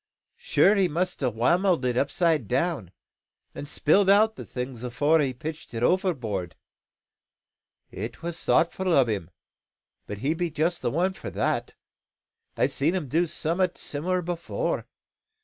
Sure he must a' whammelled it upside down, and spilled out the things afore he pitched it overboard. It was thoughtful o' him; but he be just the one for that. I've seed him do some'at similar afore.